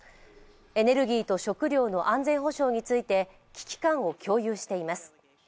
エネルギーと食料の安全保障について危機感を共有しています。